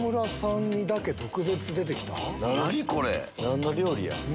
何の料理や？